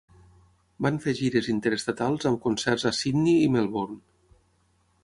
Van fer gires interestatals amb concerts a Sydney i Melbourne.